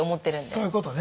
そういうことね。